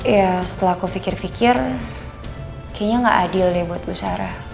ya setelah aku pikir pikir kayaknya gak adil deh buat bicara